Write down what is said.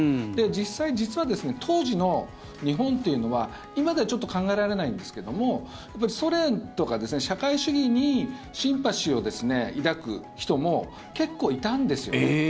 実際、実は当時の日本というのは今ではちょっと考えられないんですけどソ連とか社会主義にシンパシーを抱く人も結構、いたんですよ。